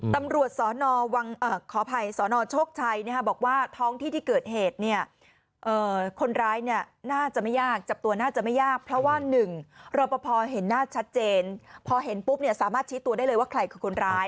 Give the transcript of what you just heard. ตำรวจสนขออภัยสนโชคชัยบอกว่าท้องที่ที่เกิดเหตุเนี่ยคนร้ายเนี่ยน่าจะไม่ยากจับตัวน่าจะไม่ยากเพราะว่า๑รอปภเห็นหน้าชัดเจนพอเห็นปุ๊บเนี่ยสามารถชี้ตัวได้เลยว่าใครคือคนร้าย